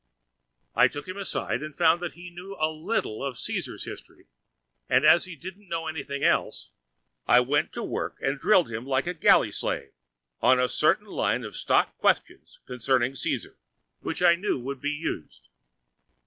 I took him aside, and found that he knew a little of Caesar's history; and as he didn't know anything else, I went to work and drilled him like a galley slave on a certain line of stock questions concerning Caesar which I knew would be used.